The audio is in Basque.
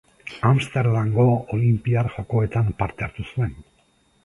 Amsterdamgo Olinpiar Jokoetan parte hartu zuen.